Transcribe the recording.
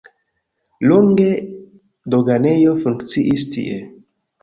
Longe doganejo funkciis tie.